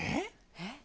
えっ？